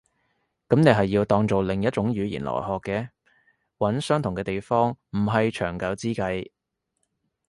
噉你係要當做另一種語言來學嘅。揾相同嘅地方唔係長久之計